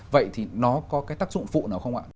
vậy thì nó có cái tác dụng phụ nào không ạ